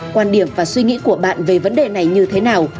quan điểm và suy nghĩ của bạn về vấn đề này như thế nào